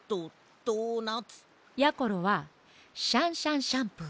やころは「シャンシャンシャンプー」。